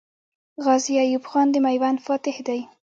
غازي ایوب خان د میوند فاتح دی.